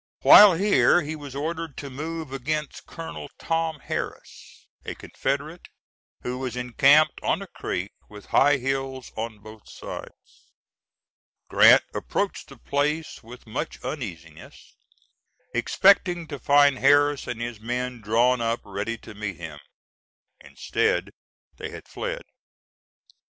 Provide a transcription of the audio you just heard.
While here he was ordered to move against Colonel Tom Harris, a Confederate, who was encamped on a creek with high hills on both sides. Grant approached the place with much uneasiness, expecting to find Harris and his men drawn up ready to meet him. Instead, they had fled.